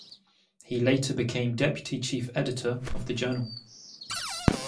He later became deputy chief editor of the journal.